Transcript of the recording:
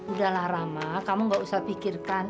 udahlah rama kamu gak usah pikirkan